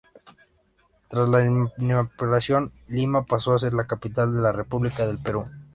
Tras la emancipación, Lima pasó a ser la capital de la República del Perú.